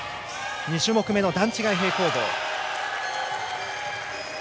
２種目めの段違い平行棒。